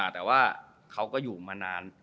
แต่ว่าเขาก็อยู่มานาน